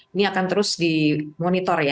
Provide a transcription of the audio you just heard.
ini akan terus dimonitor ya